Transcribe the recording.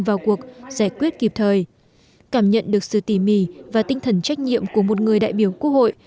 vào cuộc giải quyết kịp thời cảm nhận được sự tỉ mỉ và tinh thần trách nhiệm của một người đại biểu quốc hội